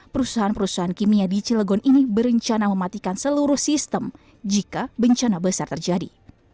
perusahaan perusahaan kimia di cilegon ini berencana mematikan seluruh sistem jika bencana besar terjadi